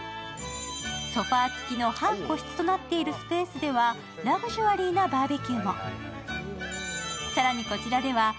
ソファー付きの半個室となっているスペースではラグジュアリーなバーベキューが。